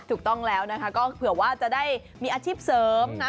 ถูกต้องแล้วนะคะก็เผื่อว่าจะได้มีอาชีพเสริมนะ